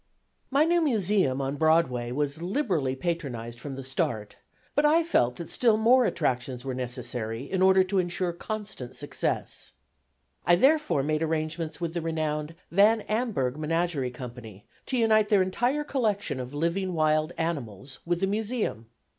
My new Museum on Broadway was liberally patronized from the start, but I felt that still more attractions were necessary in order to insure constant success. I therefore made arrangements with the renowned Van Amburgh Menagerie Company to unite their entire collection of living wild animals with the Museum.